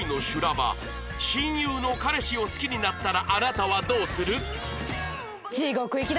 親友の彼氏を好きになったらあなたはどうする？